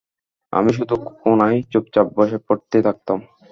আমি শুধু কোনায় চুপচাপ বসে পড়তেই থাকতাম।